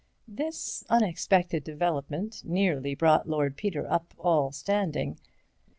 This unexpected development nearly brought Lord Peter up all standing.